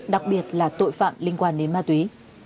đặc biệt là tội phạm liên quan đến ma túy